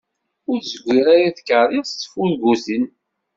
Ur zeggir ara i tkeryas d yifurguten.